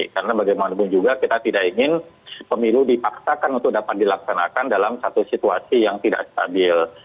karena bagaimanapun juga kita tidak ingin pemilu dipaksakan untuk dapat dilaksanakan dalam satu situasi yang tidak stabil